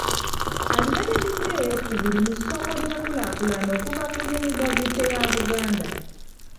Alina ne ddiguli eyokubiri mu ssomo ly'enkulaakulana okuva ku yunivaasite ya Buganda.